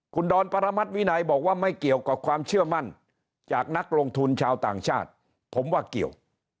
คุณดอนปรมัติวินัยบอกว่าไม่เกี่ยวกับความเชื่อมั่นจากนักลงทุนชาวต่างชาติผมว่าเกี่ยว